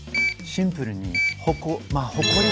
シンプルに！